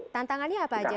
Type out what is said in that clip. tantangannya apa aja mas